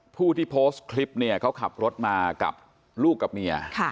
ผู้ที่โพสต์คลิปเนี่ยเขาขับรถมากับลูกกับเมีย